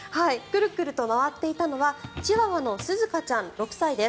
クルクルと回っていたのはチワワのすずかちゃん、６歳。